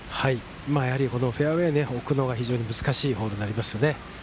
やはりフェアウエーに置くのは非常に難しいホールになりますね。